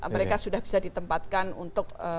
mereka sudah bisa ditempatkan untuk